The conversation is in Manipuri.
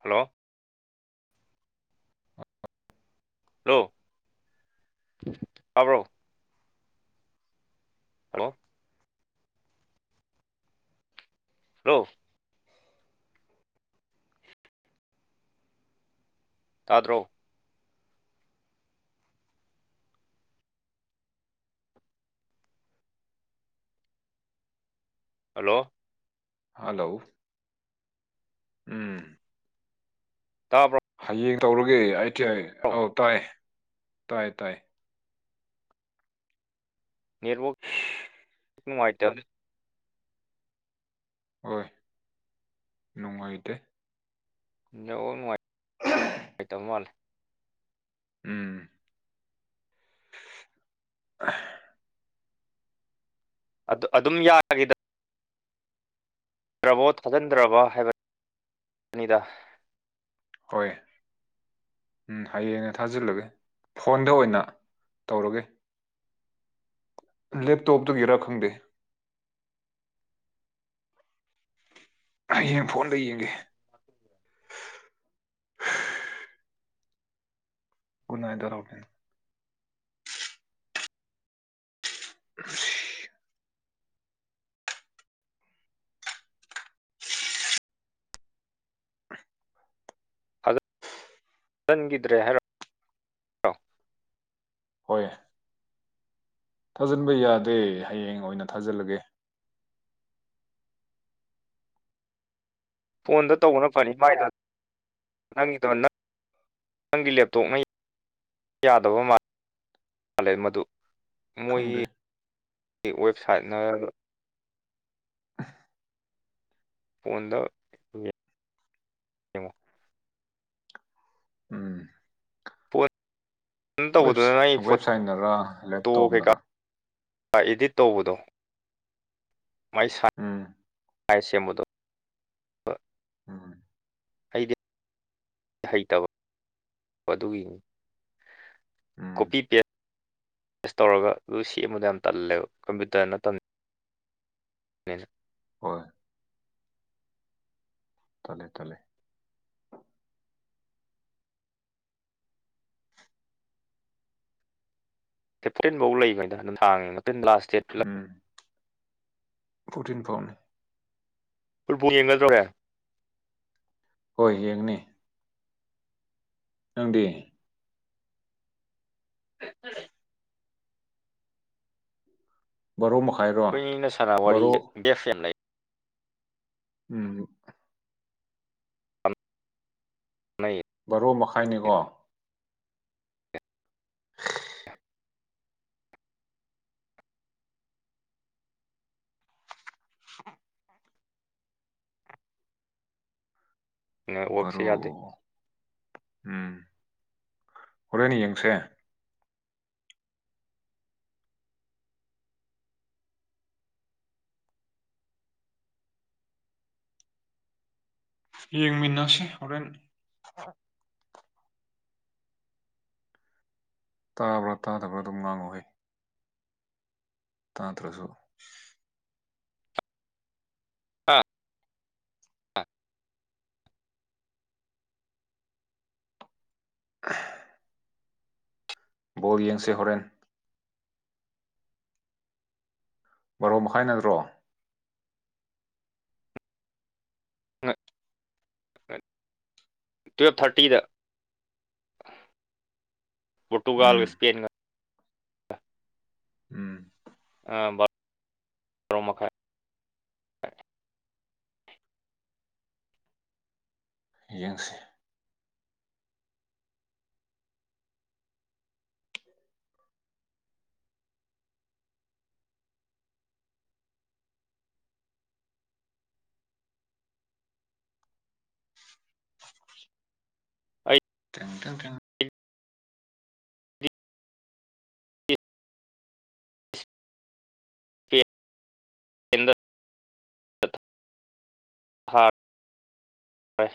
ꯍꯜꯂꯣ ꯍꯜꯂꯣ ꯇꯥꯕ꯭ꯔꯣ ꯍꯜꯂꯣ ꯍꯜꯂꯣ ꯇꯥꯗ꯭ꯔꯣ ꯍꯜꯂꯣ ꯍꯜꯂꯣ ꯎꯝ ꯇꯥꯕꯔꯣ ꯍꯌꯦꯡ ꯇꯧꯔꯒꯦ ꯑꯩꯇꯤ ꯑꯩ ꯑꯧ ꯇꯥꯏ ꯇꯥꯏ ꯇꯥꯏ ꯅꯦꯠꯋꯥꯔꯛ ꯅꯨꯡꯉꯥꯏꯇꯝꯅꯤ ꯍꯣꯏ ꯅꯨꯡꯉꯥꯏꯇꯦ ꯅꯨꯡꯉꯥꯏ ꯅꯨꯡꯉꯥꯏꯇꯕ ꯃꯥꯜꯂꯦ ꯎꯝ [unintelligible] ꯑꯗꯨ ꯑꯗꯨꯝ ꯌꯥꯔꯒꯤꯗ ꯗ꯭ꯔꯕꯣ ꯊꯥꯖꯤꯟꯗ꯭ꯔꯕ ꯍꯥꯏꯕ ꯑꯅꯤꯗ ꯍꯣꯏ ꯎꯝ ꯍꯌꯦꯡꯅ ꯊꯥꯖꯤꯜꯂꯒꯦ ꯐꯣꯟꯗ ꯑꯣꯏꯅ ꯇꯧꯔꯒꯦ ꯂꯦꯞꯇꯣꯞꯇꯨꯒꯤꯔꯥ ꯈꯪꯗꯦ ꯍꯌꯦꯡ ꯐꯣꯟꯗ ꯌꯦꯡꯒꯦ ꯒꯨꯅꯥꯏꯗꯧꯔꯥꯎꯅꯤ [unintelligible] ꯊꯥꯖꯟꯒꯤꯗ꯭ꯔꯦ ꯍꯥꯏꯔꯣ ꯍꯣꯏ ꯊꯥꯖꯤꯟꯕ ꯌꯥꯗꯦ ꯍꯌꯦꯡ ꯑꯣꯏꯅ ꯊꯥꯖꯤꯜꯂꯒꯦ ꯐꯣꯟꯗ ꯇꯧꯕꯅ ꯐꯅꯤ ꯃꯥꯏꯗꯣ ꯅꯪꯒꯤꯗꯣ ꯅꯪ ꯅꯪꯒꯤ ꯂꯦꯞꯇꯣꯞꯅ ꯌꯥꯗꯕ ꯃꯥꯜꯂꯦ ꯃꯥꯜꯂꯦ ꯃꯗꯨ ꯈꯪꯗꯦ ꯃꯣꯏꯒꯤ ꯋꯦꯕꯁꯥꯏꯠꯅ [unintelligible] ꯐꯣꯟꯗ [unintelligible] ꯌꯦꯡꯉꯣ ꯎꯝ ꯐꯣꯟ ꯋꯦꯕ ꯇꯧꯕꯗꯨꯗꯅ ꯑꯩ ꯋꯦꯕꯁꯥꯏꯠꯅꯔ ꯐꯣꯇꯣ ꯀꯩꯀꯥ ꯂꯦꯞꯇꯣꯞꯅꯔ ꯏꯗꯤꯠ ꯇꯧꯕꯗꯣ ꯃꯥꯏ ꯎꯝ ꯁꯥꯏ ꯁꯦꯝꯕꯥ ꯗꯣ ꯎꯝ ꯍꯩꯗꯤ ꯍꯩꯇꯕ ꯑꯗꯨꯒꯤꯅꯤ ꯎꯝ ꯀꯣꯄꯤ ꯄꯦꯁ ꯄꯦꯁ ꯇꯧꯔꯒ ꯑꯗꯨ ꯁꯤ ꯑꯃꯗ ꯌꯥꯝ ꯇꯜꯂꯦꯕ ꯀꯝꯄ꯭ꯌꯨꯇꯔ ꯅꯠꯇꯕꯗ [unintelligible] ꯍꯣꯏ ꯇꯂꯦ ꯇꯂꯦ ꯐꯤꯞꯇꯤꯟꯐꯥꯎ ꯂꯩꯈꯅꯤꯅ ꯑꯗꯨꯝ ꯍꯥꯡꯉꯦ ꯉꯥꯛꯇꯤꯟ ꯂꯥꯁ ꯗꯦꯠ [unintelligible] ꯄꯣꯔꯣꯇꯤꯟ ꯄꯥꯎꯅꯤ ꯐꯨꯠꯕꯣꯜ ꯌꯦꯡꯅꯗ꯭ꯔꯣꯔꯦ ꯍꯣꯔꯦꯟ ꯍꯣꯏ ꯌꯦꯡꯅꯤ ꯅꯪꯗꯤ [unintelligible] ꯕꯔꯣ ꯃꯈꯥꯏꯔꯣ ꯈꯣꯏꯅꯤꯅ ꯁꯥꯟ ꯅ ꯋꯥꯔꯤ ꯕꯥꯔꯣ ꯗꯦꯐꯦꯝ ꯂꯩ ꯎꯝ ꯂꯩ ꯕꯥꯔꯣ ꯃꯈꯥꯏꯅꯤꯀꯣ [unintelligible] ꯅꯦꯠꯋꯥꯛꯁꯦ ꯕꯔꯣ ꯌꯥꯗꯦ ꯎꯝ ꯍꯣꯔꯦꯟꯅꯦ ꯌꯦꯡꯈ꯭ꯔꯦ ꯌꯦꯡꯃꯤꯟꯅꯁꯦ ꯍꯣꯔꯦꯟ ꯇꯥꯕ꯭ꯔꯥ ꯇꯥꯗꯕ꯭ꯔꯥ ꯑꯗꯨꯝ ꯉꯥꯡꯉꯛꯍꯦ ꯇꯥꯠꯇ꯭ꯔꯁꯨ ꯑꯥ ꯑ ꯕꯣꯜ ꯌꯦꯡꯁꯦ ꯍꯣꯔꯦꯟ ꯕꯥꯔꯣ ꯃꯈꯥꯏ ꯅꯠꯇ꯭ꯔꯣ ꯇꯨꯌꯦꯜꯞ ꯊꯥꯔꯇꯤꯗ ꯄꯣꯔꯇꯨꯒꯜ ꯎꯝ ꯏꯁꯄꯦꯟ ꯎꯝ ꯑ ꯇꯔꯣ ꯃꯈꯥꯏ ꯌꯦꯡꯁꯤ ꯑꯩ ꯇ ꯇ ꯭ꯔ [unintelligible] ꯍꯥꯥ ꯍꯣꯏ